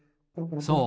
そう。